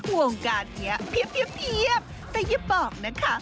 วงการนี้เพียบแต่อย่าบอกนะคะ